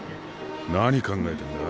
何考えてんだ？